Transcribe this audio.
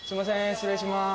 失礼します。